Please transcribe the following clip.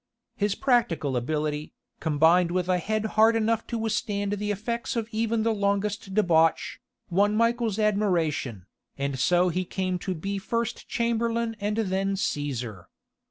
His practical ability, combined with a head hard enough to withstand the effect of even the longest debauch, won Michael's admiration, and so he came to be first chamberlain and then Caesar.